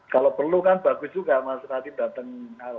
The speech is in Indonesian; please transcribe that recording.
kalau perlu kan bagus juga mas radin datang